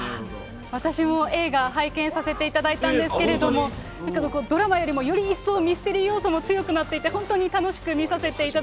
私も、映画拝見させていただいたんですけれども、ドラマよりも一層よりミステリー要素も強くなっていて、本当に楽うれしい。